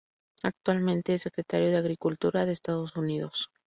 Actualmente es Secretario de Agricultura de Estados Unidos.